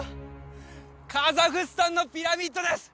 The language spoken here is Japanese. カザフスタンのピラミッドです